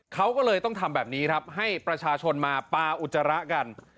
เขาก็เลยต้องทำแบบนี้ครับให้ประชาชนมาปลาอุจจาระกัน